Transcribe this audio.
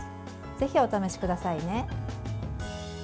ぜひ、お試しくださいね。